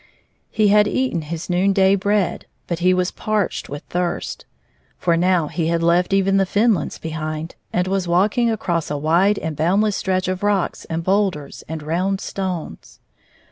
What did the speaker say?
He had 128 eaten his noon day bread, but he was parched with thirst. For now he had left ev6n the fen lands behind, and was walking across a wide and boundless stretch of rocks and boulders and round stones.